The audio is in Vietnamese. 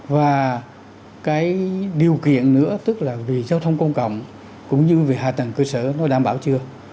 và cái điều kiện nữa tức là vì giao thông công cộng cũng như về hạ tầng cơ sở nó đảm bảo chưa